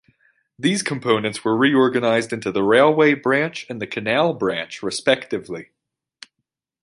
These components were reorganized into the Railway Branch and the Canal Branch, respectively.